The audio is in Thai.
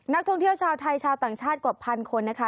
นักท่องเที่ยวชาวไทยชาวต่างชาติกว่าพันคนนะคะ